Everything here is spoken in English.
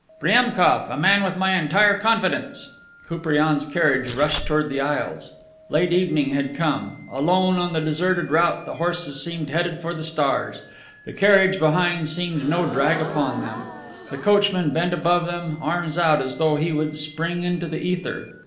"Priemkof, a man with my entire confidence." Koupriane's carriage rushed toward the Isles. Late evening had come. Alone on the deserted route the horses seemed headed for the stars; the carriage behind seemed no drag upon them. The coachman bent above them, arms out, as though he would spring into the ether.